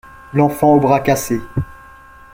L’enfant au bras cassé.